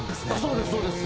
そうですそうです。